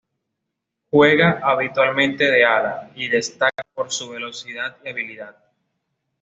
Juega habitualmente de ala y destaca por su velocidad y habilidad.